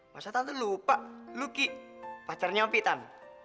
masa tante lupa luki pacarnya opi tan